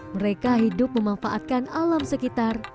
mereka hidup memanfaatkan alam sekitar